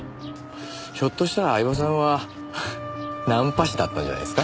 ひょっとしたら饗庭さんはナンパ師だったんじゃないですか？